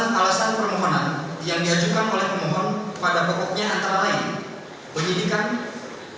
bahwa alasan alasan permohonan yang diajukan oleh permohon pada pokoknya antara lain penyidikan